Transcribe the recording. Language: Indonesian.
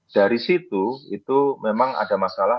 dari situ itu memang ada masalah